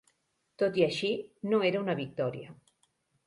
Tot i així, no era una victòria.